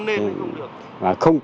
không nên hay không được